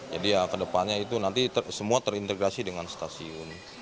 jadi ya kedepannya itu nanti semua terintegrasi dengan stasiun